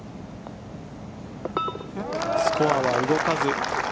スコアは動かず。